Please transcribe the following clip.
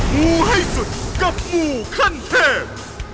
งูให้สุดกับงูขั้นเทพ